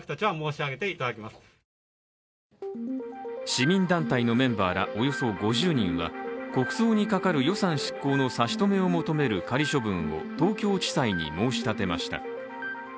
市民団体のメンバーらおよそ５０人は国葬にかかる予算執行の差し止めを求める仮処分を東京地裁に申し立てました。